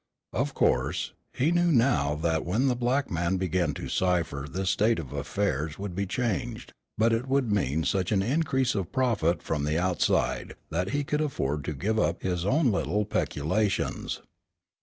Of course, he knew now that when the black man began to cipher this state of affairs would be changed; but it would mean such an increase of profit from the outside, that he could afford to give up his own little peculations.